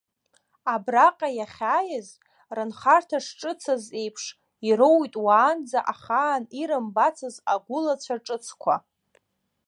Абраҟа иахьааиз, рынхарҭа шҿыцыз еиԥш, ироуит уаанӡа ахаан ирымбацыз агәылацәа ҿыцқәа.